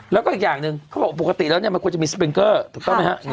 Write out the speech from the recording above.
แล้วก็อีกอย่างหนึ่งเขาบอกปกติแล้วเนี่ยมันควรจะมีสปริงเกอร์ถูกต้องไหมครับ